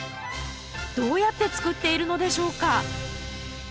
どうやって作っているのでしょうか？